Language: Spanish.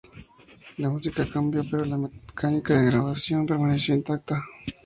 La música cambió, pero la mecánica de grabación permaneció intacta.